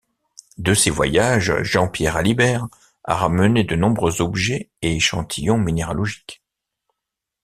De ses voyages, Jean-Pierre Alibert a ramené de nombreux objets et échantillons minéralogiques.